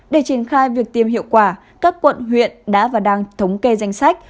để triển khai việc tiêm hiệu quả các quận huyện đã và đang thống kê danh sách